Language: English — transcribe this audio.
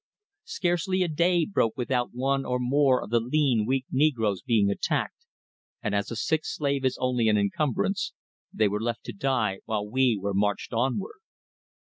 Scarcely a day broke without one or more of the lean, weak negroes being attacked, and as a sick slave is only an incumbrance, they were left to die while we were marched onward.